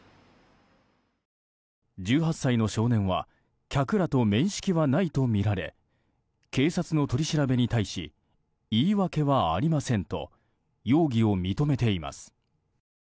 １８歳の少年は客らと面識はないとみられ警察の取り調べに対し言い訳はありませんと容疑を認めています。